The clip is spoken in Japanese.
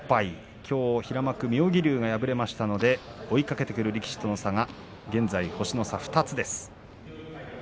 きょう平幕妙義龍が敗れましたので追いかける力士の差は２つです。